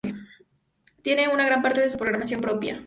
Tiene una gran parte de su programación propia.